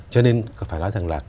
cho nên phải nói rằng là